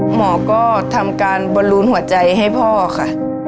หมอก็ทำการบอลลูนหัวใจให้พ่อค่ะ